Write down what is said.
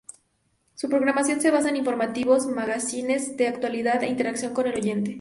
Su programación se basa en informativos, magacines de actualidad e interacción con el oyente.